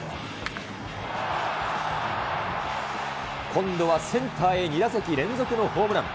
今度はセンターへ、２打席連続のホームラン。